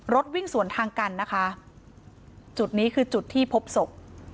รถวิ่งสวนทางกันนะคะจุดนี้คือจุดที่พบศพ